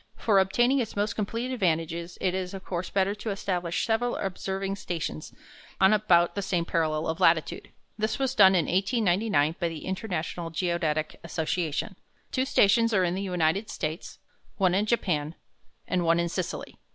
For obtaining its most complete advantages it is, of course, better to establish several observing stations on about the same parallel of latitude. This was done in 1899 by the International Geodetic Association. Two stations are in the United States, one in Japan, and one in Sicily.